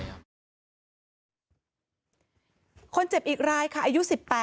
เหตุการณ์เกิดขึ้นแถวคลองแปดลำลูกกา